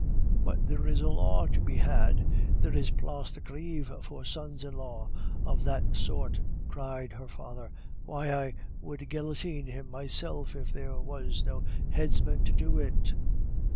"But there is law to be had! There is a Place de Greve for sons in law of that sort," cried her father; "why, I would guillotine him myself if there was no headsman to do it."